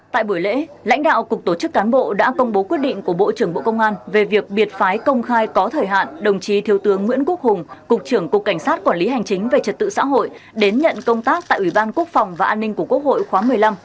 tại buổi lễ lãnh đạo cục tổ chức cán bộ đã công bố quyết định của bộ trưởng bộ công an về việc biệt phái công khai có thời hạn đồng chí thiếu tướng nguyễn quốc hùng cục trưởng cục cảnh sát quản lý hành chính về trật tự xã hội đến nhận công tác tại ủy ban quốc phòng và an ninh của quốc hội khóa một mươi năm